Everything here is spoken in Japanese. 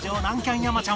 山ちゃん